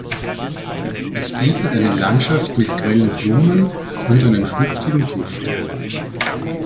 Es bietet eine Landschaft mit grellen Blumen und einen fruchtigen Duft.